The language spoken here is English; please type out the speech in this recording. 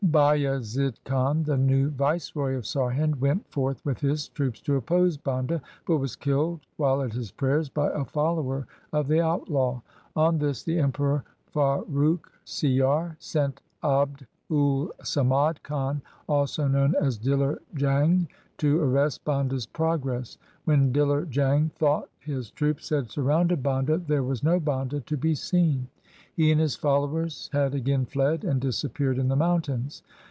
Bayazid Khan, the new viceroy of Sarhind, went forth with his troops to oppose Banda, but was killed while at his prayers by a follower of the outlaw. On this the Emperor Farrukh Siyar sent Abd ul Samad Khan, also known as Diler Jang, to arrest Banda's progress. When Diler Jang thought his troops had surrounded Banda, there was no Banda to be seen. He and his followers had again fled and disappeared in the mountains.